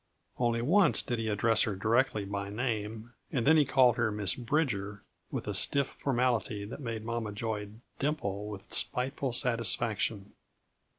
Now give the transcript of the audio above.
Only once did he address her directly by name, and then he called her Miss Bridger with a stiff formality that made Mama Joy dimple with spiteful satisfaction.